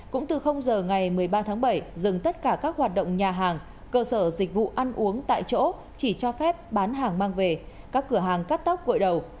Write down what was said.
cũng từ giờ ngày một mươi ba tháng bảy dừng tất cả các hoạt động nhà hàng cơ sở dịch vụ ăn uống tại chỗ chỉ cho phép bán hàng mang về các cửa hàng cắt tóc vội đầu